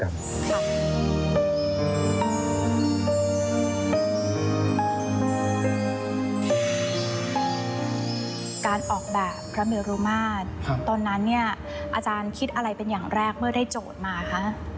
การออกแบบพระเมรุมาตรตอนนั้นเนี่ยอาจารย์คิดอะไรเป็นอย่างแรกเมื่อได้โจทย์มาคะ